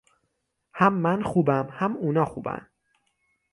هم من خوبم هم اونا خوبن